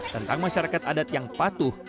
tentang masyarakat adat yang patuh